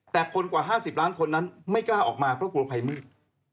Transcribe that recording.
แม้กล้าออกมาเพราะกลวงภัยมืด